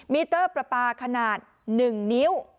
มีเตอร์ประปาขนาด๑นิ้ว